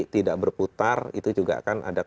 tidak berputar itu juga akan ada